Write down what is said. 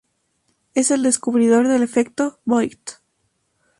Es el descubridor del efecto Voigt.